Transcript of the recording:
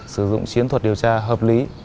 sử dụng chiến thuật điều tra hợp lý